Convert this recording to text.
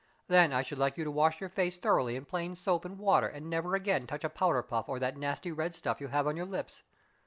Then I should like you to wash your face thoroughly in plain soap and water and never again touch a powder puff or that nasty red stuff you have on your lips.